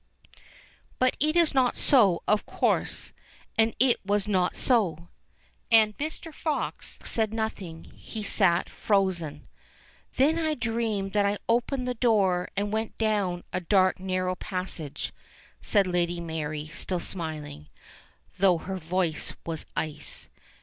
But it is not so, of course, and it was not so." And Mr. Fox said nothing ; he sate frozen. "Then I dreamed that I opened the door and went down a dark narrow passage," said Lady Mary, still smiling, though her voice was ice.